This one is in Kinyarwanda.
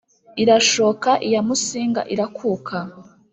irashoka iya músinga irakuka